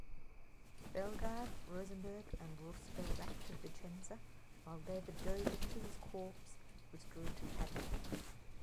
Bellegarde, Rosenberg, and Reuss fell back to Vicenza while Davidovich's corps withdrew to Padua.